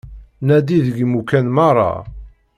Nadi deg imukan meṛṛa.